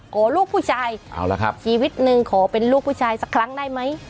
ลูกผู้ชายเอาละครับชีวิตหนึ่งขอเป็นลูกผู้ชายสักครั้งได้ไหม